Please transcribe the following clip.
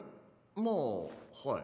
まあはい。